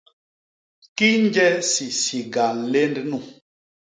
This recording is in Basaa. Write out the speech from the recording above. Kinje sisiga nlénd nu!